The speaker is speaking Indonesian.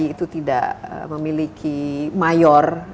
karena itu tidak memiliki mayor